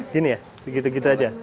gini ya begitu gitu aja